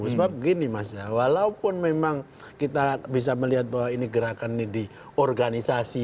sebab begini mas ya walaupun memang kita bisa melihat bahwa ini gerakan ini di organisasi